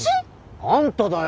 あんただよ。